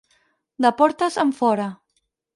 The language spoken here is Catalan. De portes enfora.